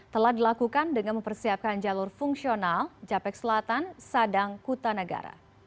telah dilakukan dengan mempersiapkan jalur fungsional japek selatan sadang kutanegara